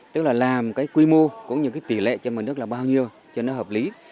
tức là làm cái quy mô cũng như cái tỷ lệ trên mặt nước là bao nhiêu cho nó hợp lý